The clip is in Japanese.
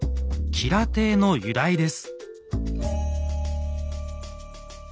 吉良邸の由来です。